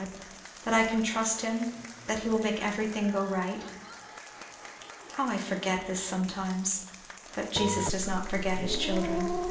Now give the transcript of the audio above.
and that I can trust in him; and he will make everything go right. How I forget this sometimes! But Jesus does not forget his children.